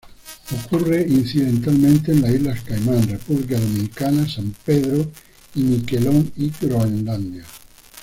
Ocurre incidentalmente en las Islas Caimán, República Dominicana, San Pedro y Miquelón y Groenlandia.